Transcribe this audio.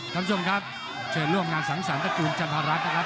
ท่านส่วนครับเจอร่วมงานสังสรรตระกุลจันทรรพรัฐนะครับ